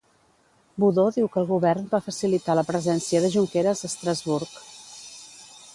Budó diu que el govern va facilitar la presència de Junqueras a Estrasburg.